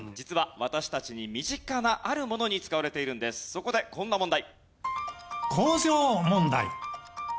そこでこんな問題。